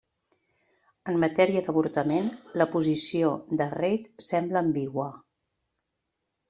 En matèria d'avortament, la posició de Reid sembla ambigua.